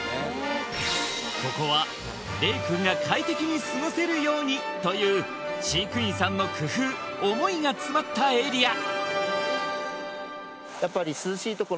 ここは令くんが快適に過ごせるようにという飼育員さんの工夫思いが詰まったエリア